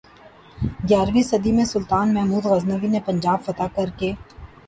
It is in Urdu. گیارہویں صدی میں سلطان محمود غزنوی نے پنجاب فتح کرک